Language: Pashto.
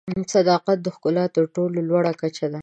صداقت د ښکلا تر ټولو لوړه کچه ده.